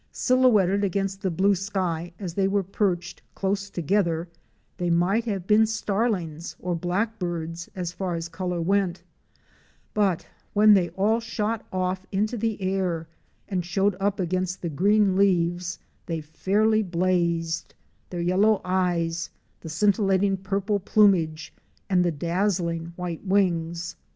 Silhouetted against the blue sky as they were perched close together, they might have been Starlings or Blackbirds as far as color went, but when they all shot off into the air and showed up against the green leaves they fairly blazed —the yellow eyes, the scintillating purple plumage, and the dazzling white wings.